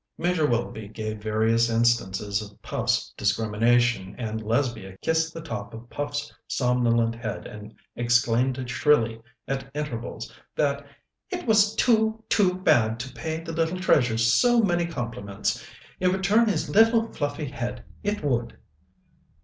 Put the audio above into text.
Major Willoughby gave various instances of Puff's discrimination, and Lesbia kissed the top of Puff's somnolent head and exclaimed shrilly at intervals that "it was too, too bad to pay the little treasure so many compliments; it would turn his little fluffy head, it would."